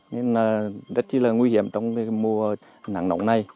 nên là rất là nguy hiểm trong mùa nắng nóng này